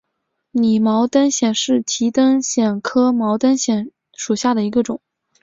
拟毛灯藓为提灯藓科毛灯藓属下的一个种。